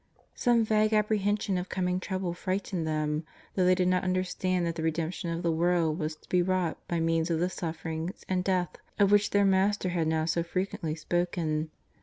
Some vague apprehension of coming trouble frightened them, though they did not understand that the redemption of the world was to be wrought by means of the sufferinars and death of which their Mas ter had now so frequently spoken.